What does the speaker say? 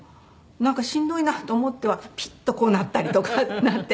なんかしんどいなと思ってはピッとこうなったりとかなって。